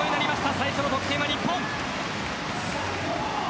最初の得点は日本。